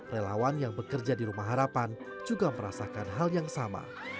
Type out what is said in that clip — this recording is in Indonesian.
relawan yang bekerja di rumah harapan juga merasakan hal yang sama